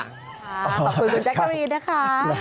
ขอบคุณคุณแจ๊กกะรีนนะคะ